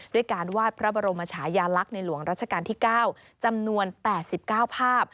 ด้วยการวาดพระบรมชายาลักษณ์ในหลวงรัชกาลที่๙จำนวน๘๙ภาพ